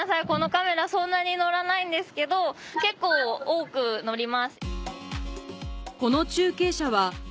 このカメラそんなに載らないんですけど結構多く載ります。